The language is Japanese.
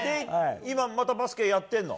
今また、バスケやって。